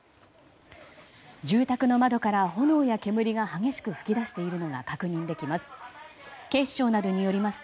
住宅の窓から炎や煙が激しく噴き出しているのが確認できます。